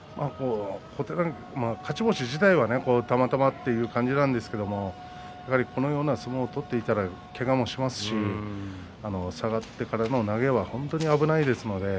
勝ち星自体はたまたまということなんですけれども、このような相撲を取っていたらけがもしますね下がってからの投げは本当に危ないですね。